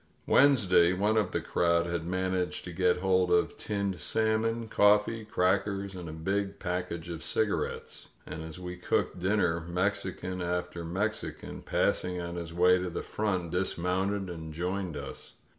Wednesday one of the crowd had man aged to get hold of tinned salmon, coffee, crackers and a big package of cigarettes; and as we cooked dinner Mexican after Mexican, passing on his way to the front, dismounted and joined us.